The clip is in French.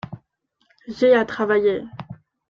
J’ai à travailler…